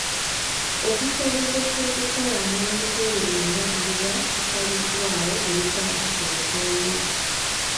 Okusobozesa okukola amangu ku ebyo byonna ebiba bisaliddwawo ebikwata ku bukuumi.